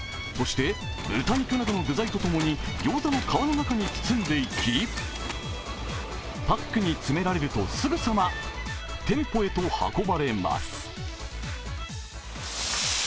そして、豚肉などの具材とともにギョーザの皮の中に包んでいき、パックに詰められると、すぐさま店舗へと運ばれます。